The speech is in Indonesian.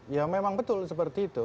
ya memang betul seperti itu